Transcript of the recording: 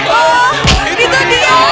oh itu dia